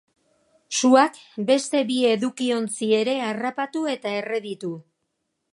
Suak beste bi edukiontzi ere harrapatu eta erre ditu.